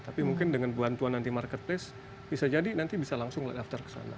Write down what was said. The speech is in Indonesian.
tapi mungkin dengan bantuan nanti marketplace bisa jadi nanti bisa langsung daftar ke sana